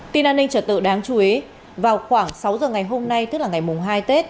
tin an ninh trở tự đáng chú ý vào khoảng sáu giờ ngày hôm nay tức là ngày hai tết